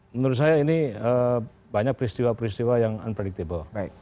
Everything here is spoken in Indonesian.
menurut saya ini banyak peristiwa peristiwa yang unpredictable